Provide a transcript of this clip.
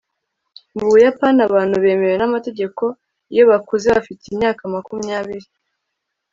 Mu Buyapani abantu bemewe namategeko iyo bakuze bafite imyaka makumyabiri